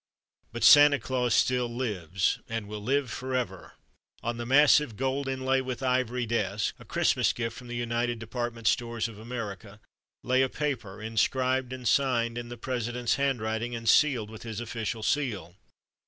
But Santa Claus still lives and will live forever! On the massive gold inlaid with ivory desk (a Christmas gift from the United Department Stores of America), lay a paper, inscribed, and signed in the President's handwriting, and sealed with his official seal.